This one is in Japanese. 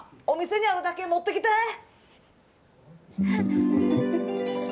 お店にあるだけ持ってきて！